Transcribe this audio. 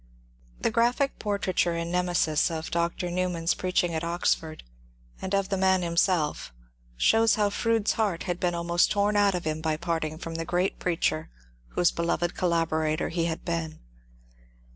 The graphic portraiture in ^^ Nemesis " of Dr. Newman's 202 MONCURE DANIEL CONWAY preaching at Oxford, and of the man himself, shows how Froude's heart had been almost torn oat of him by parting from the great preacher whose beloved collaborator he had been.